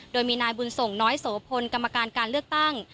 โดยมีนายบุญส่งน้อยโสพลกรรมการการเลือกตั้ง